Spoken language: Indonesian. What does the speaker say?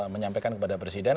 menyampaikan kepada presiden